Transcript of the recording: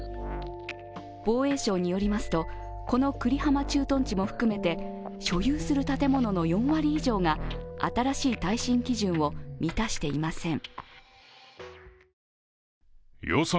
防衛省によりますと、この久里浜駐屯地も含めて所有する建物の４割以上が、新しい耐震基準を満たしていません。